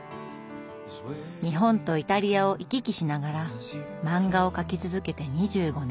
日本とイタリアを行き来しながら漫画を描き続けて２５年。